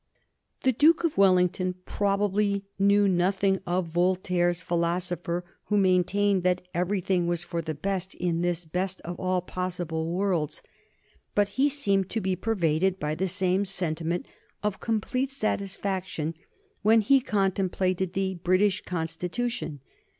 The Duke of Wellington probably knew nothing of Voltaire's philosopher who maintained that everything was for the best in this best of all possible worlds, but he seemed to be pervaded by the same sentiment of complete satisfaction when he contemplated the British Constitution.